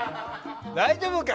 大丈夫か？